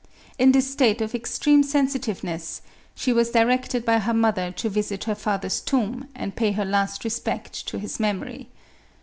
In this state of extreme sensi tiveness, she was directed by her mother to visit her father's tomb and pay her last respect to his memory.